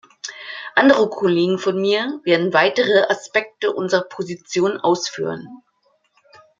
Andere Kollegen von mir werden weitere Aspekte unserer Position ausführen.